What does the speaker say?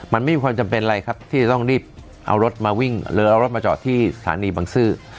มันไม่มีความจำเป็นอะไรครับที่จะต้องรีบเอารถมาวิ่งหรือเอารถมาจอดที่สถานีบังซื้อ